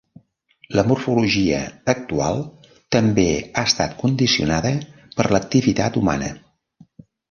La morfologia actual també ha estat condicionada per l’activitat humana.